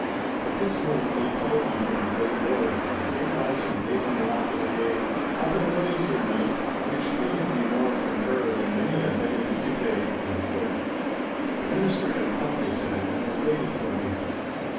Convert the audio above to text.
At this moment they called to me from the great door, and Kate Allison waved me off with a gay 'Up and away, Sir Knight!'—which pleased me more from her than many a Benedicite from another. The minister had come, they said, and was waiting for me.